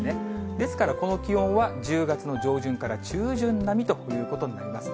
ですからこの気温は１０月の上旬から中旬並みということになります。